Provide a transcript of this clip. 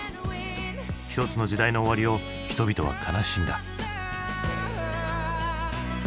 一つの時代の終わりを人々は悲しんだ。